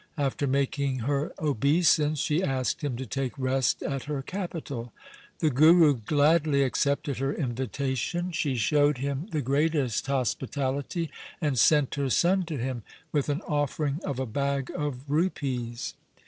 After making her obeisance she asked him to take rest at her capital. The Guru gladly accepted her invita tion. She showed him the greatest hospitality and sent her son to him with an offering of a bag of rupees.